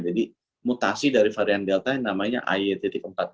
jadi mutasi dari varian delta yang namanya ie empat puluh dua